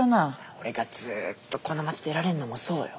俺がずっとこの町出られんのもそうよ。